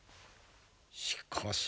しかし。